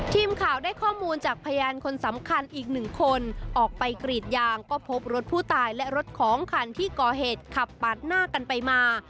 ทีมข่าวได้ข้อมูลจากพยานคนสำคัญอีกหนึ่งคนออกไปกรีดยางก็พบรถผู้ตายและรถของคันที่ก่อเหตุขับปาดหน้ากันไปมา